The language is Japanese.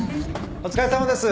・お疲れさまです。